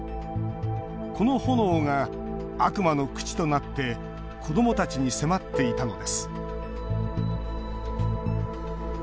この炎が悪魔の口となって子どもたちに迫っていたのです。